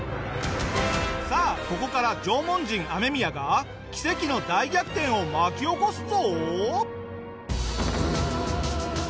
さあここから縄文人アメミヤが奇跡の大逆転を巻き起こすぞ！